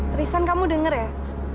tristan kamu dengar ya